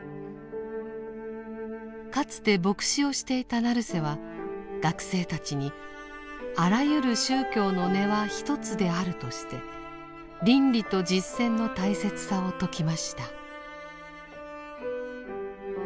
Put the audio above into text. かつて牧師をしていた成瀬は学生たちにあらゆる宗教の根は一つであるとして倫理と実践の大切さを説きました。